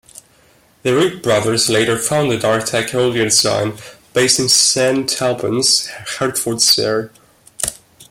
The Ripp brothers later founded R-Tec Auto Design, based in Saint Albans, Hertfordshire.